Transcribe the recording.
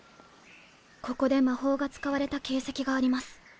ここで魔法が使われた形跡があります。